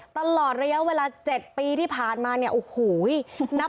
ตลอดระยะเวลา๗ปีที่ผ่านมาเนี่ยโอ้โหนับ